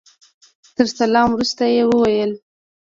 تر سلام وروسته يې وويل.